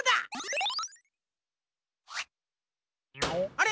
あれ？